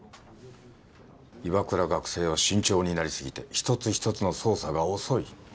岩倉学生は慎重になり過ぎて一つ一つの操作が遅い。